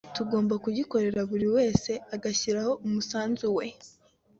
tugomba kugikorera buri wese agashyiraho umusanzu we